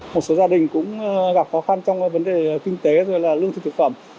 một số gia đình cũng gặp khó khăn trong vấn đề kinh tế lương thực thực phẩm